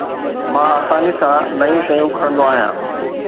مان آساني سان نيون شيون کڻندو آهيان